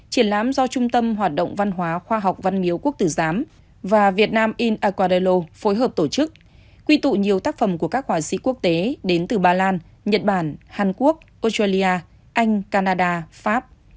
triển lãm do trung tâm hoạt động văn hóa khoa học văn miếu quốc tử giám và vietnam in aquarello phối hợp tổ chức quy tụ nhiều tác phẩm của các quả sĩ quốc tế đến từ bà lan nhật bản hàn quốc australia anh canada pháp